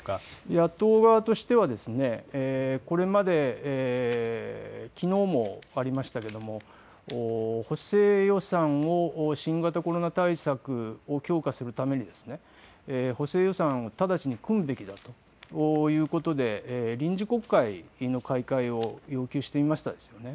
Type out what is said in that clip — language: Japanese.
野党側としてはこれまできのうもありましたけれども補正予算を新型コロナ対策を強化するために補正予算を直ちに組むべきだということで臨時国会の開会を要求していました。